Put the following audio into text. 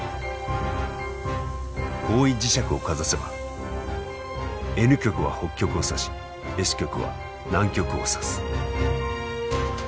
方位磁石をかざせばＮ極は北極を指しＳ極は南極を指す。